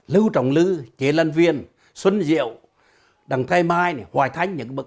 lưu trọng lư chế lân viên xuân diệu đằng thái mai hoài thánh